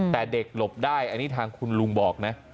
แต่เด็กหลบได้อันนี้ทางคุณลุงบอกนะ